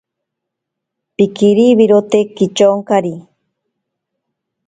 Pikiriwirote kityonkari.